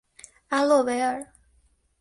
阿洛维尔。